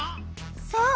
そう！